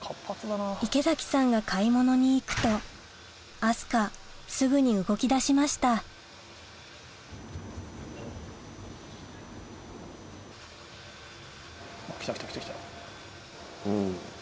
池崎さんが買い物に行くと明日香すぐに動きだしました来た来た。